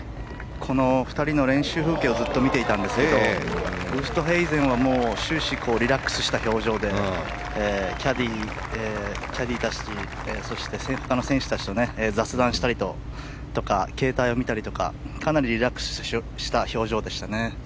この２人の練習風景をずっと見ていたんですけどウーストヘイゼンは終始リラックスした表情でキャディーたちそして、他の選手たちと雑談したりとか携帯を見たりとかかなりリラックスした表情でしたね。